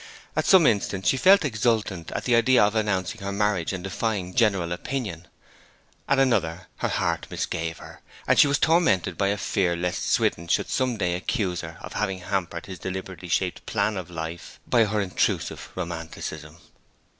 At some instants she felt exultant at the idea of announcing her marriage and defying general opinion. At another her heart misgave her, and she was tormented by a fear lest Swithin should some day accuse her of having hampered his deliberately shaped plan of life by her intrusive romanticism.